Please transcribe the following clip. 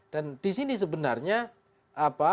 dan di sini sebenarnya